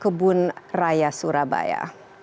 kebun raya surabaya